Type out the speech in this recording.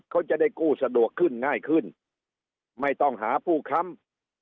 เขาจะได้กู้สะดวกขึ้นง่ายขึ้นไม่ต้องหาผู้ค้ำ